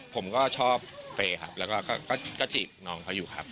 ผมก็ชอบเฟย์ครับแล้วก็จีบน้องเขาอยู่ครับ